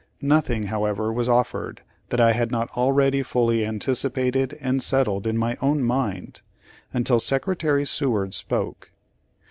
Nothing, however, was offered that I had not already fully antici pated and settled in my own mind, until Secretary Seward spoke.